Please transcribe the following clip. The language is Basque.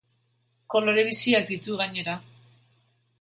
Kolore biziak ditu, gainera.